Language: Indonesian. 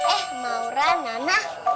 eh maura nana